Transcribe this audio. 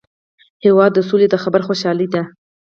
هېواد د سولي د خبر خوشالي ده.